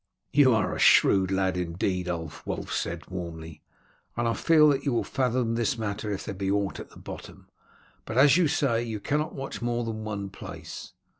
"You are a shrewd lad indeed, Ulf," Wulf said warmly; "and I feel that you will fathom this matter if there be aught at the bottom. But, as you say, you cannot watch more than one place."